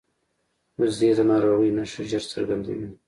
وزې د ناروغۍ نښې ژر څرګندوي